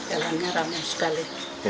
alamnya ramai sekali